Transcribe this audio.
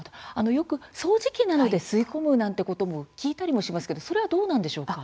掃除機などで吸い込むなんてことも聞いたりしますけどそれはどうなんでしょうか？